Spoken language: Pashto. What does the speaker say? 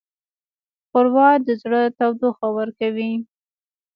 ښوروا د زړه تودوخه ورکوي.